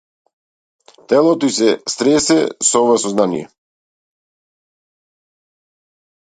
Телото ѝ се стресе од оваа сознание.